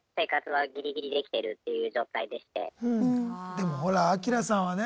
でもほらアキラさんはね